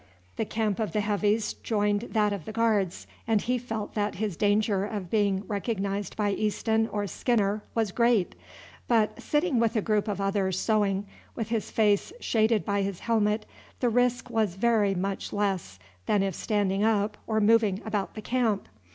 The camp of the Heavies joined that of the Guards, and he felt that his danger of being recognized by Easton or Skinner was great; but sitting with a group of others sewing, with his face shaded by his helmet, the risk was very much less than if standing up or moving about the camp.